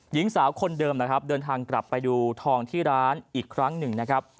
หญิงสาวคนเดิมเดินทางกลับไปดูทองที่ร้านอีกครั้งนึง